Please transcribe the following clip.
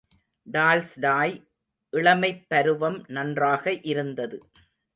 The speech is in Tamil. டால்ஸ்டாய் இளமைப் பருவம் நன்றாக இருந்தது.